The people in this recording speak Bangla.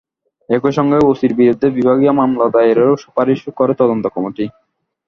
একই সঙ্গে ওসির বিরুদ্ধে বিভাগীয় মামলা দায়েরের সুপারিশও করে তদন্ত কমিটি।